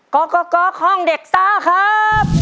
กรกตห้องเด็กซ่าครับ